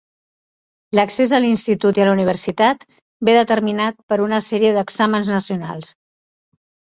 L'accés a l'institut i a la universitat ve determinat per una sèrie d'exàmens nacionals.